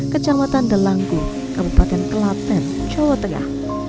kecamatan delanggu kabupaten klaten jawa tengah